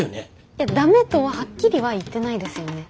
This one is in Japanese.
いや「ダメ」とははっきりは言ってないですよね。